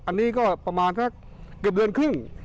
อันนี้ก็ประมาณสักเกือบเดือนครึ่ง